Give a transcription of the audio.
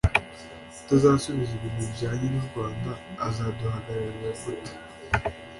utazasubiza ibintu bijyanye n’u Rwanda azaduhagararira gute